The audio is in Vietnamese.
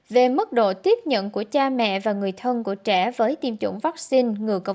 về mức độ tiếp nhận của cha mẹ và người thân của trẻ với tiêm chủng vaccine ngừa covid một